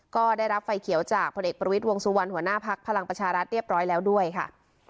ก็ได้รับไฟเขียวจากพลเอกประวิทย์วงสุวรรณหัวหน้าพักพลังประชารัฐเรียบร้อยแล้วด้วยค่ะ